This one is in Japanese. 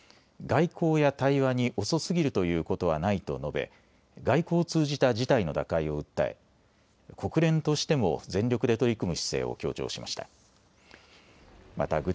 外交や対話に遅すぎるということはないと述べ、外交を通じた事態の打開を訴え国連としても全力で取り組む姿勢を強調しました。